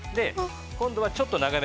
今度はちょっと長め。